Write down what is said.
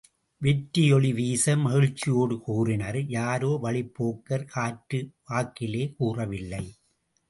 வெற்றியொளி வீச, மகிழ்ச்சியோடு கூறினர், யாரோ வழிப்போக்கர், காற்று வாக்கிலே கூறவில்லை.